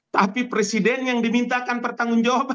tapi presiden yang dimintakan pertanggung jawaban